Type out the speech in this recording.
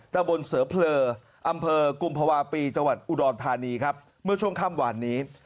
ตะบนเสือเผลออำเภอกุมภาวะปีจังหวัดอุดรธานีครับเมื่อช่วงค่ำหวานนี้